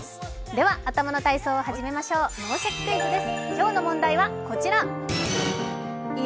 では頭の体操を始めましょう、「脳シャキ！クイズ」です。